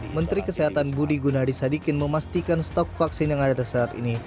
menteri kesehatan budi gunadi sadikin memastikan stok vaksin yang ada di saat ini